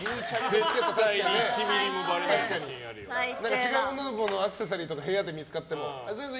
絶対に違う女の子のアクセサリーとか部屋で見つかっても全然。